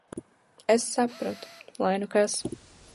Es sapratu - lai nu kas.